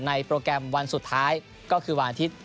โปรแกรมวันสุดท้ายก็คือวันอาทิตย์